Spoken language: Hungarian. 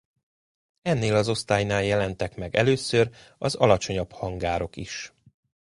Ennél az osztálynál jelentek meg először az alacsonyabb hangárok is.